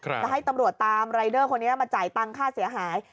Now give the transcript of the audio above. จะให้ตำรวจตามรายเดอร์คนนี้มาจ่ายตังค่าเสียหาย